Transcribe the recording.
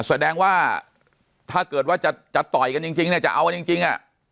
แสดงว่าถ้าเกิดว่าจะต่อยกันจริงเนี่ยจะเอากันจริง